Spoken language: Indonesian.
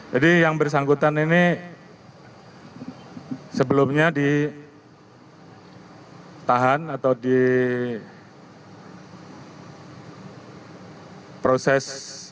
yang bersangkutan ini sebelumnya ditahan atau diproses